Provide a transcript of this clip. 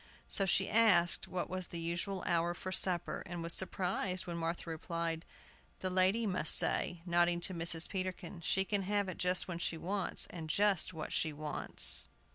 So she asked what was the usual hour for supper, and was surprised when Martha replied, "The lady must say," nodding to Mrs. Peterkin. "She can have it just when she wants, and just what she wants!"